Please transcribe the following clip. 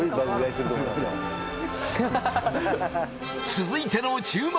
続いての注目